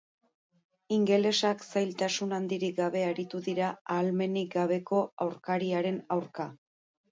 Ingelesak zailtasun handirik gabe aritu dira ahalmenik gabeko aurkariaren aurka.